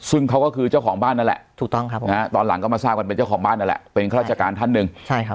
ซึ่งเขาก็คือเจ้าของบ้านนั่นแหละ